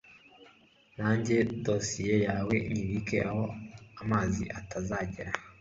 najye dosiye yawe nyibike aho amazi atazigera